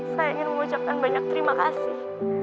saya ingin mengucapkan banyak terima kasih